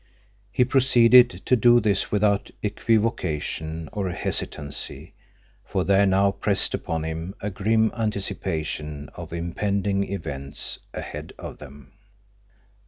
He proceeded to do this without equivocation or hesitancy, for there now pressed upon him a grim anticipation of impending events ahead of them.